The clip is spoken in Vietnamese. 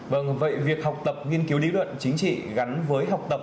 vâng vậy việc học tập nghiên cứu lý luận chính trị gắn với học tập